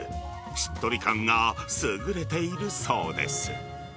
しっとり感が優れているそうです。